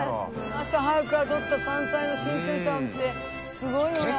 朝早くから採った山菜の新鮮さってすごいよな。